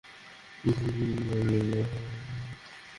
আচ্ছা স্যার আপনার নাম কী?